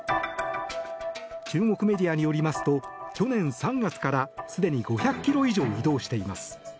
中国メディアによりますと去年３月からすでに５００ｋｍ以上移動しています。